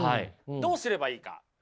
どうすればいいか。